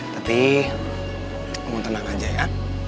tapi mau tenang aja ya